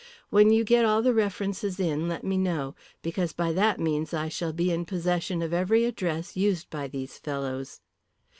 When you get all the references in let me know, because by that means I shall be in possession of every address used by these fellows."